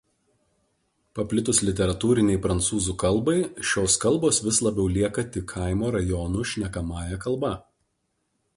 Paplitus literatūrinei prancūzų kalbai šios kalbos vis labiau lieka tik kaimo rajonų šnekamąja kalba.